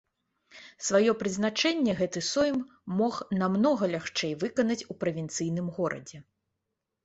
Сваё прызначэнне гэты сойм мог намнога лягчэй выканаць у правінцыйным горадзе.